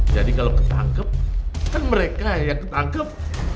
jadi kalau ketangkep kan mereka yang ketangkep